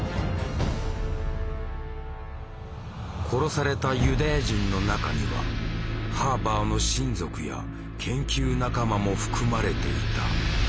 殺されたユダヤ人の中にはハーバーの親族や研究仲間も含まれていた。